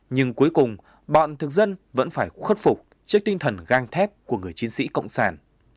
nhưng cuối cùng bọn thực dân vẫn phải khuất phục trước tinh thần gang thép của người chiến sĩ cộng sản